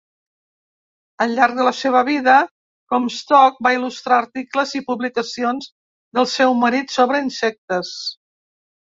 Al llarg de la seva vida, Comstock va il·lustrar articles i publicacions del seu marit sobre insectes.